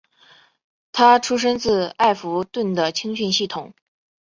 他出身自埃弗顿的青训系统。